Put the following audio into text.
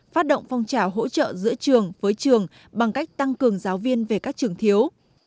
phát động phong trào hỗ trợ giữa trường với trường bằng cách tăng cường giáo viên về các trường thiếu